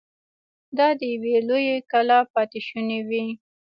دا د يوې لويې کلا پاتې شونې وې.